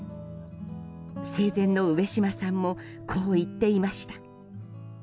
生前の上島さんもこう言っていました。